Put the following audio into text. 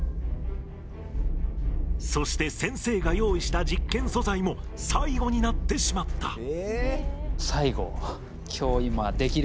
そして、先生が用意した実験素材も最後になってしまった。